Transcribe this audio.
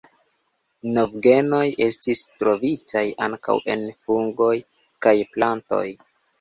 Novgenoj estis trovitaj ankaŭ en fungoj kaj plantoj.